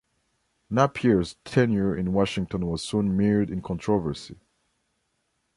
Napier's tenure in Washington was soon mired in controversy.